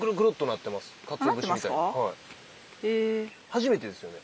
初めてですよね？